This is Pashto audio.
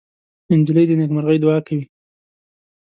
نجلۍ د نیکمرغۍ دعا کوي.